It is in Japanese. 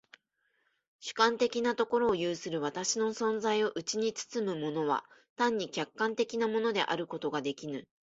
主観的なところを有する私の存在をうちに包むものは単に客観的なものであることができぬ。